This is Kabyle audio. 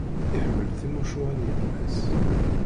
Iḥemmel timucuha n yemma-s.